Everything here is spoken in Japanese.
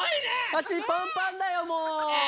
あしパンパンだよもう！